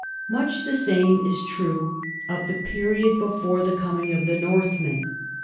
Much the same is true of the period before the com ing of the Northmen.